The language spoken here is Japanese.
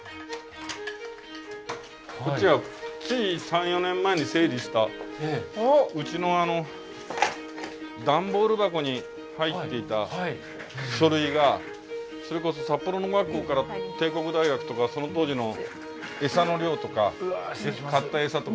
こっちはつい３４年前に整理したうちの段ボール箱に入っていた書類がそれこそ札幌農学校から帝国大学とかその当時のエサの量とか買ったエサとか。